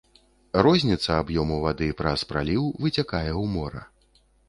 Розніца аб'ёму вады праз праліў выцякае ў мора.